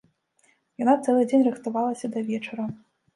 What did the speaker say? Яна цэлы дзень рыхтавалася да вечара.